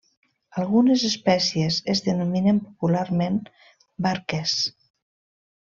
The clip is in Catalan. Algunes espècies es denominen popularment barquers.